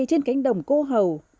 trên cánh đồng cô hầu